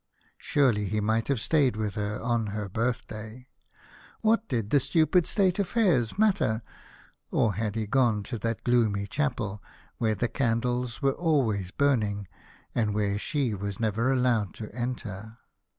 Surely he might have stayed with her on her birthday. What did the stupid State affairs matter ? Or had f 33 A House of Pomegranates. he gone to that gloomy chapel, where the candles were always burning, and where she was never allowed to enter?